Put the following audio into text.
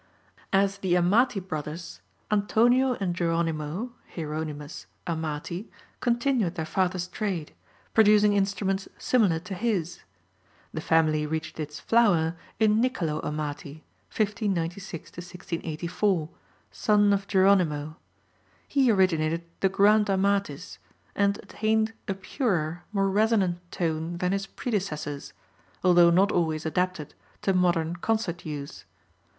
As the Amati brothers, Antonio and Geronimo (Hieronymous) Amati continued their father's trade, producing instruments similar to his. The family reached its flower in Nicolo Amati (1596 1684), son of Geronimo. He originated the "Grand Amatis," and attained a purer, more resonant tone than his predecessors, although not always adapted to modern concert use.